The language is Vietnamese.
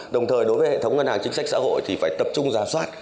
đồng thời đối với hệ thống ngân hàng chính sách xã hội thì phải tập trung giả soát